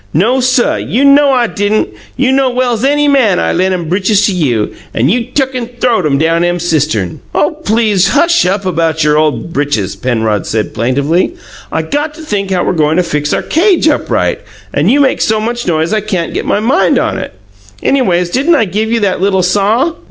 No, suh; you know I didn'! You know well's any man I len' 'em britches to you an' you tuck an' th'owed 'em down cistern!" "Oh, PLEASE hush up about your old britches!" Penrod said plaintively. "I got to think how we're goin' to fix our cage up right, and you make so much noise I can't get my mind on it. Anyways, didn't I give you that little saw?"